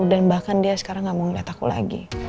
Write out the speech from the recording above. dan bahkan dia sekarang nggak mau ngeliat aku lagi